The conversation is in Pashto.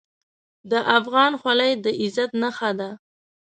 د افغان خولۍ د عزت نښه ده.